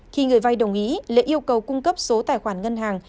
khi người vay đồng ý lệ yêu cầu cung cấp số tài khoản ngân hàng